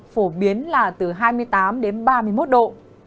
phổ biến là từ hai mươi tám đến ba mươi một độ